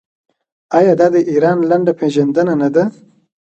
آیا دا د ایران لنډه پیژندنه نه ده؟